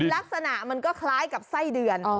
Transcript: ลักษณะมันก็คล้ายกับไส้เดือน